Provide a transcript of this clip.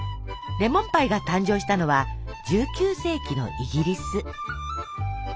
レモンパイが誕生したのは１９世紀のイギリス。